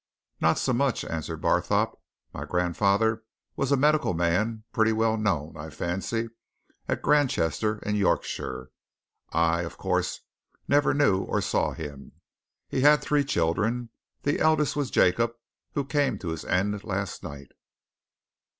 "Not so much," answered Barthorpe. "My grandfather was a medical man pretty well known, I fancy at Granchester, in Yorkshire; I, of course, never knew or saw him. He had three children. The eldest was Jacob, who came to his end last night.